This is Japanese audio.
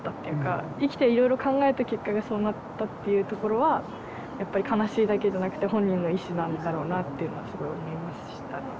生きていろいろ考えた結果がそうなったっていうところはやっぱり悲しいだけじゃなくて本人の意志なんだろうなっていうのはすごい思いました。